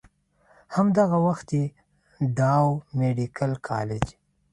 هم دغه وخت ئې ډاؤ ميډيکل کالج